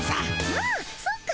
あっそっか。